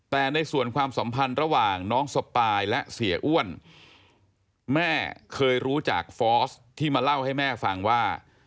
แต่ในส่วนความสัมพันธ์ระหว่างน้องสปายและเสียอ้วนแม่เคยรู้จากฟอสที่มาเล่าให้แม่ฟังว่า